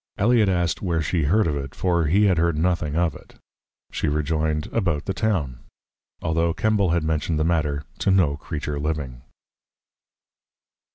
_ Eliot asked, Where she heard of it, for he had heard nothing of it? She rejoined, About the Town. Altho' Kembal had mentioned the Matter to no Creature living.